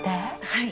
はい。